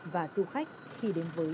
và du khách khi đến với sapa